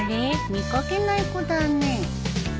見掛けない子だね。